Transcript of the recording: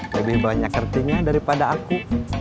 lebih banyak hertinya daripada aku